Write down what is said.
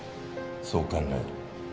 そう考える。